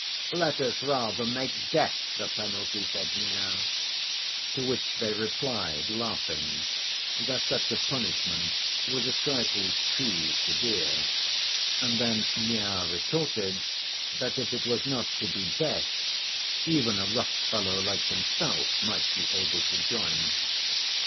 "Let us rather make death the penalty," said Miao; to which they replied, laughing, that such a punishment was a trifle too severe; and then Miao retorted that if it was not to be death, even a rough fellow like himself might be able to join.